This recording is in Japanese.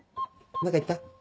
何か言った？